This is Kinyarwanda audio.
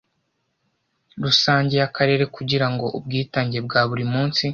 rusange y akarere kugira ngo ubwitange bwa buri munsi